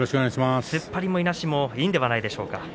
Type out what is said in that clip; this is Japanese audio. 突っ張りもいなしもいいんではないでしょうか。